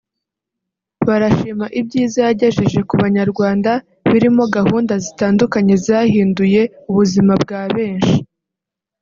barashima ibyiza yagejeje ku banyarwanda birimo gahunda zitandukanye zahinduye ubuzima bwa benshi